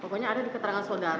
pokoknya ada di keterangan saudara